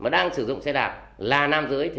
đang sử dụng xe đạp là nam giới